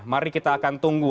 mari kita akan tunggu